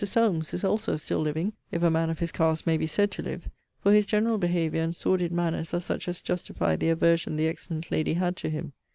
SOLMES is also still living, if a man of his cast may be said to live; for his general behaviour and sordid manners are such as justify the aversion the excellent lady had to him.